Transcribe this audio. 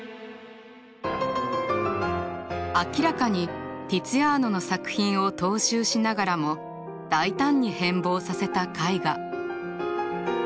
明らかにティツィアーノの作品を踏襲しながらも大胆に変貌させた絵画。